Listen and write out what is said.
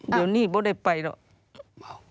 เดี๋ยวนี้ไม่ได้ไปแล้ว